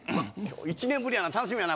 一年ぶりやな楽しみやな